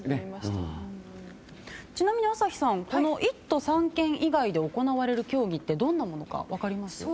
ちなみに朝日さん１都３県以外で行われる競技ってどんなものか分かりますか？